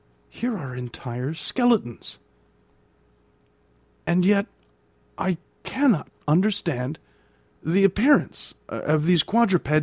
Here are entire skeletons. And yet I cannot understand the appearance of these quadrupeds in a granite cavern."